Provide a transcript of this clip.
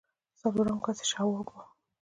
څلورم کس يې شواب و.